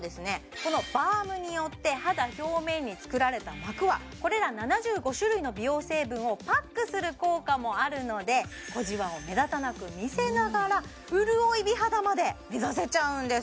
このバームによって肌表面に作られた膜はこれら７５種類の美容成分をパックする効果もあるので小じわを目立たなく見せながら潤い美肌まで目指せちゃうんです